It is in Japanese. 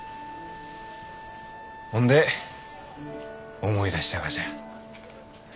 ほんで思い出したがじゃ。